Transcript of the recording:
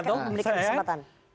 saya memiliki kesempatan